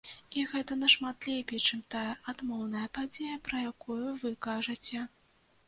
І гэта нашмат лепей, чым тая адмоўная падзея, пра якую вы кажаце.